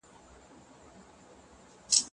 په ساینس کي استاد هم په څېړنه کي وي.